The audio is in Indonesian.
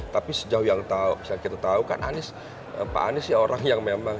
tapi sejauh yang kita tahu kan anies pak anies ya orang yang memang